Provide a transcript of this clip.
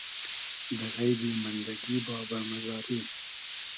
دۂ غݷدی مئندئگی بابۂ مئزاری